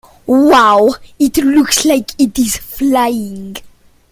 Wow! It looks like it is flying!